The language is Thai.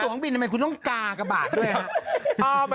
นี่สองกับบินมั้ยคุณต้องกากบาทด้วยฮะ